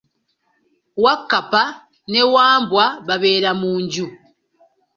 Wakkapa ne Wambwa babeera mu nju.